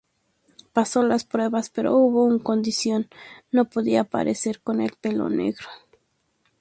Pasó las pruebas, pero hubo una condición: no podía aparecer con el pelo negro.